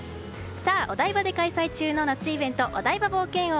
お台場で開催中のイベントお台場冒険王。